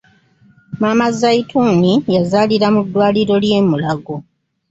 Maama "Zaituni,' yazalira mu ddwaliro ly'e mulago.